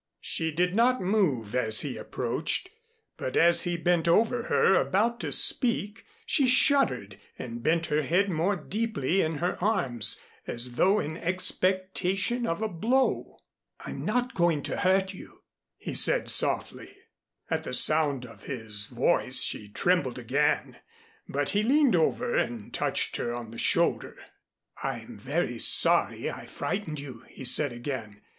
She did not move as he approached; but as he bent over her about to speak, she shuddered and bent her head more deeply in her arms, as though in expectation of a blow. "I'm not going to hurt you," he said softly. At the sound of his voice she trembled again, but he leaned over and touched her on the shoulder. "I'm very sorry I frightened you," he said again.